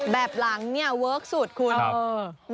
แบบหลังเนี่ยเวิร์คสุดคุณ